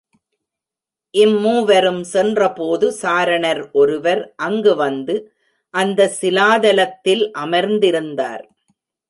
இம்மூவரும் சென்றபோது சாரணர் ஒருவர் அங்கு வந்து அந்தச் சிலாதலத்தில் அமர்ந்திருந்தார்.